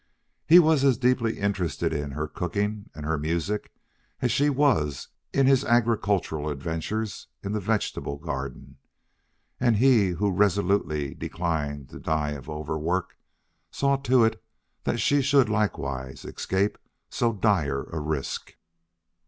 He was as deeply interested in her cooking and her music as she was in his agricultural adventures in the vegetable garden. And he, who resolutely declined to die of overwork, saw to it that she should likewise escape so dire a risk.